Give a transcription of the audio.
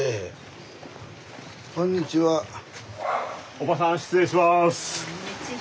おばさん失礼します。